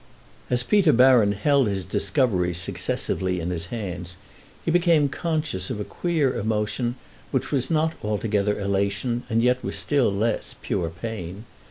As Peter Baron held his discoveries successively in his hands he became conscious of a queer emotion which was not altogether elation and yet was still less pure pain.